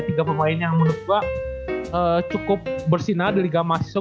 tiga pemain yang menurut gue cukup bersinar di liga mahasiswa